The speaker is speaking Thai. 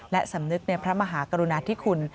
และสำนึกในพระมหากรุณาธิคุณ